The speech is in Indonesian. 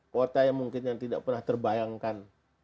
kota yang mungkin yang tidak pernah terbayangkan